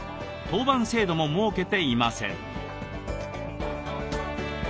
当番制度も設けていません。